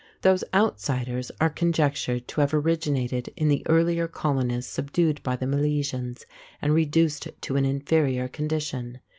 Those outsiders are conjectured to have originated in the earlier colonists subdued by the Milesians and reduced to an inferior condition.